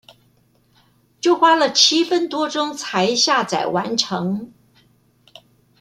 就花了七分多鐘才下載完成